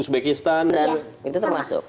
uzbekistan dan itu termasuk